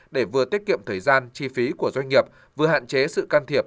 để vừa tiết kiệm thời gian chi phí của doanh nghiệp vừa hạn chế sự can thiệp